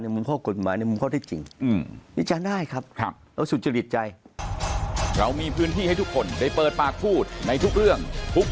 ในมุมของกฎหมายในมุมของเรื่องจริง